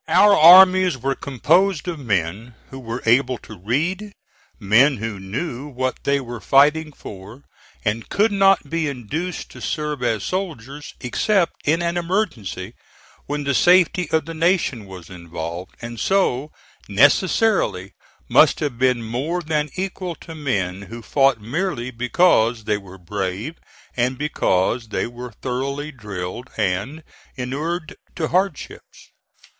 Our armies were composed of men who were able to read, men who knew what they were fighting for, and could not be induced to serve as soldiers, except in an emergency when the safety of the nation was involved, and so necessarily must have been more than equal to men who fought merely because they were brave and because they were thoroughly drilled and inured to hardships.